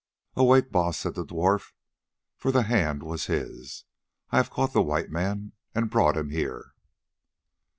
"Awake, Baas," said the dwarf, for the hand was his; "I have caught the white man and brought him here."